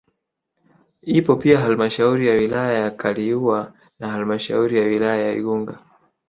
Ipo pia halmashauri ya wilaya ya Kaliua na halmashauri ya wilaya ya Igunga